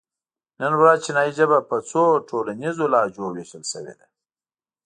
نن ورځ چینایي ژبه په څو ټولنیزو لهجو وېشل شوې ده.